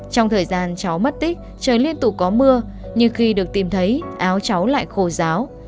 trong thời gian cháu mất tích trời liên tục có mưa nhưng khi được tìm thấy áo cháu lại khổ giáo